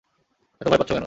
এত ভয় পাচ্ছ কেন?